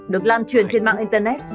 được lan truyền trên mạng internet